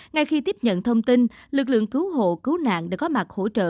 ngay khi tiếp nhận thông tin lực lượng cứu hộ cứu nạn đã có mặt hỗ trợ